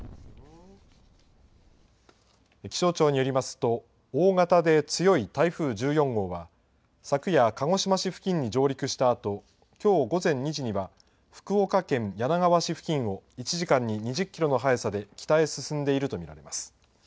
気象庁によりますと、大型で強い台風１４号は昨夜、鹿児島市付近に上陸したあと、きょう午前２時には福岡県柳川市付近を１時間に２０キロの速さで北へ進んでいると見られます。